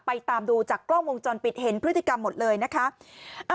ตามดูจากกล้องวงจรปิดเห็นพฤติกรรมหมดเลยนะคะ